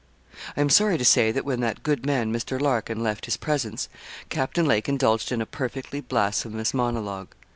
I am sorry to say that when that good man, Mr. Larkin, left his presence, Captain Lake indulged in a perfectly blasphemous monologue.